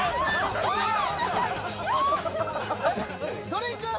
どれいく？